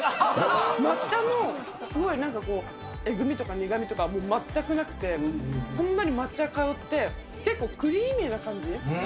抹茶のすごいなんかこう、えぐみとか苦みとかは全くなくて、ほんのり抹茶が香って、結構クリーミーな感じ。